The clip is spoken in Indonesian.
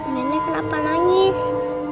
nenek kenapa nangis